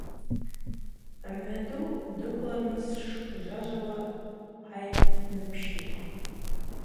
Мгӏва ду дыквлырныс дшгвжважвауа гӏайныпщитӏ.